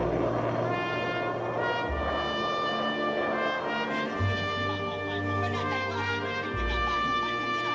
โรงพยาบาลวิทยาศาสตรี